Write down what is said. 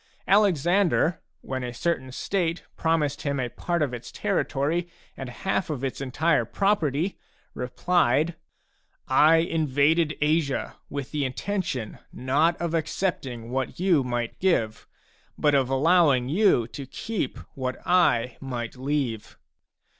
Alexander, when a certain state promised him a part of its territory and half its entire property, replied :" I invaded Asia with the intention, not of accepting what you might give, but of allowing you to keep what I might leave."